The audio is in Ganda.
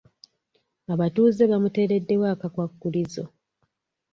Abatuuze bamuteereddewo akakwakulizo.